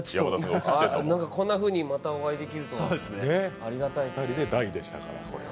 こんなふうにまたお会いできるとは、ありがたい限りです。